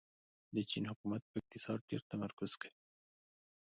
د چین حکومت په اقتصاد ډېر تمرکز کوي.